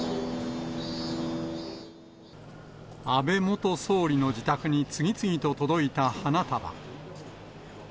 安倍元総理の自宅に次々と届いた花束。